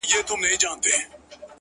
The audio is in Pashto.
د سترگو هره ائينه کي مي ستا نوم ليکلی؛